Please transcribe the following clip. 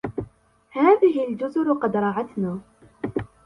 هذه الجزر قد رعتنا.